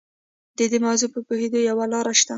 د دې موضوع په پوهېدو کې یوه لاره شته.